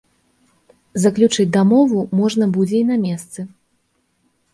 Заключыць дамову можна будзе і на месцы.